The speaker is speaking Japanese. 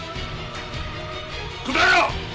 答えろ！